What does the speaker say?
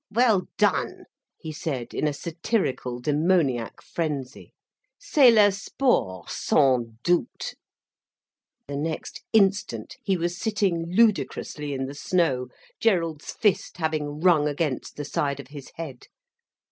"Well done!" he said, in a satirical demoniac frenzy. "C'est le sport, sans doute." The next instant he was sitting ludicrously in the snow, Gerald's fist having rung against the side of his head.